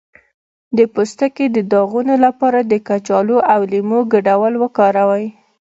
د پوستکي د داغونو لپاره د کچالو او لیمو ګډول وکاروئ